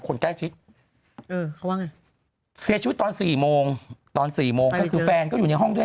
คนใกล้ชิดเสียชีวิตตอน๔โมงตอน๔โมงแฟนก็อยู่ในห้องด้วย